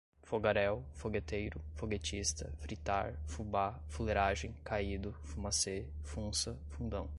fogaréu, fogueteiro, foguetista, fritar, fubá, fuleragem, caído, fumacê, funça, fundão